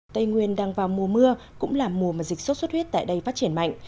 tây nguyên đang vào mùa mưa cũng là mùa mà dịch sốt xuất huyết tại đây phát triển mạnh